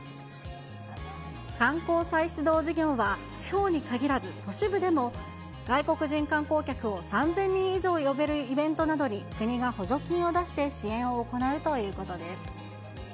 観光再始動事業は、地方に限らず、都市部でも、外国人観光客を３０００人以上呼べるイベントなどに国が補助金を出して支援を行うということです。